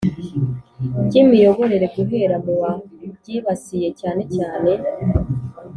Ry imiyoborere guhera mu wa ryibasiye cyanecyane